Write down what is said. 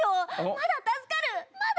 まだ助かる！